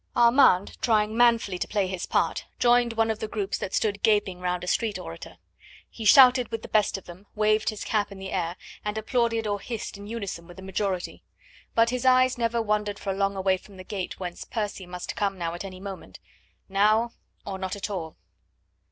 Armand, trying manfully to play his part, joined one of the groups that stood gaping round a street orator. He shouted with the best of them, waved his cap in the air, and applauded or hissed in unison with the majority. But his eyes never wandered for long away from the gate whence Percy must come now at any moment now or not at all.